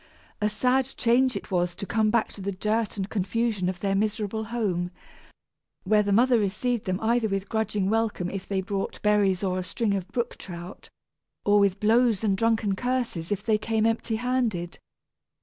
A sad change it was to come back to the dirt and confusion of their miserable home, where the mother received them either with grudging welcome if they brought berries or a string of brook trout, or with blows and drunken curses if they came empty handed.